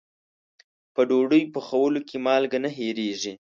په ډوډۍ پخولو کې مالګه نه هېریږي.